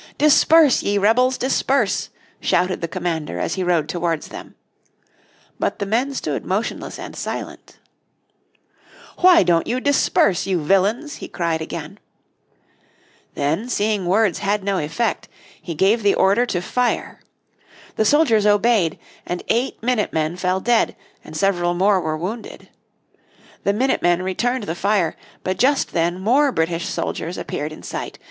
"Disperse, ye rebels, disperse," shouted the commander as he rode towards them. But the men stood motionless and silent. "Why don't you disperse, you villains?" he cried again. Then seeing words had no effect, he gave the order to fire. The soldiers obeyed, and eight minute men fell dead, and several more were wounded. The minute men returned the fire, but just then more British soldiers appeared in sight.